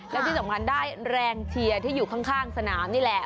แล้วที่สำคัญได้แรงเชียร์ที่อยู่ข้างสนามนี่แหละ